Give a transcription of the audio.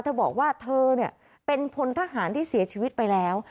เธอบอกว่าเธอเป็นพลทหารที่เสียชีวิตไปแล้ว